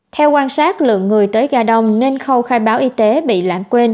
theo quan sát lượng người tới ga đông nên khâu khai báo y tế bị lãng quên